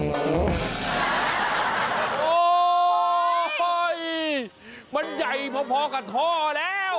โอ้โหมันใหญ่พอกับท่อแล้ว